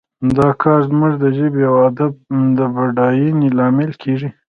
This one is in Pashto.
دا کار زموږ د ژبې او ادب د بډاینې لامل کیږي